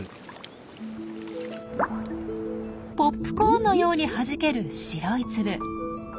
ポップコーンのようにはじける白い粒。